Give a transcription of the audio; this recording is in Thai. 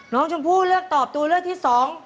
น้องชมพู่เลือกตอบตัวเลือกที่สอง